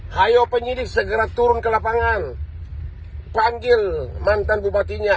hayo penyidik segera turun ke lapangan panggil mantan bupatinya